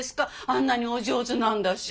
あんなにお上手なんだし。